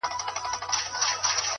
پوه انسان د زده کړې عمر نه ویني’